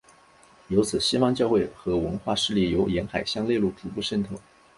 由此西方教会和文化势力由沿海向内陆逐步渗透。